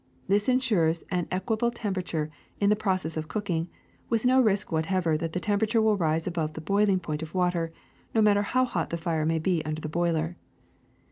This insures an equable temperature in the process of cooking, with no risk whatever that the temperature will rise above the boiling point of water, no matter how hot the fire may be under the boiler.